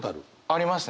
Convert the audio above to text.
ありますね。